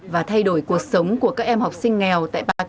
và thay đổi cuộc sống của các em học sinh nghèo